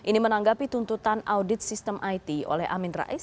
ini menanggapi tuntutan audit sistem it oleh amin rais